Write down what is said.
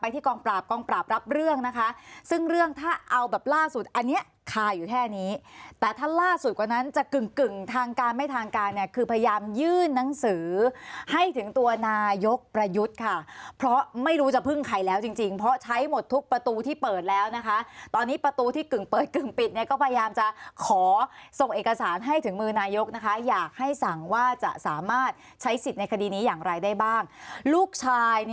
แต่ถ้าล่าสุดกว่านั้นจะกึ่งทางการไม่ทางการเนี่ยคือพยายามยื่นนังสือให้ถึงตัวนายกประยุทธ์ค่ะเพราะไม่รู้จะพึ่งใครแล้วจริงเพราะใช้หมดทุกประตูที่เปิดแล้วนะคะตอนนี้ประตูที่กึ่งเปิดกึ่งปิดเนี่ยก็พยายามจะขอส่งเอกสารให้ถึงมือนายกนะคะอยากให้สั่งว่าจะสามารถใช้สิทธิ์ในคดีนี้อย่างไรได้บ้างลูกช